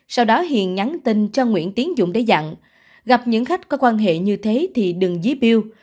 sau đó hiền nhắn tin cho nguyễn tiến dụng để dặn gặp những khách có quan hệ như thế thì đừng dí biêu